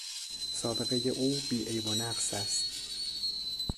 سابقهی او بیعیب و نقص است.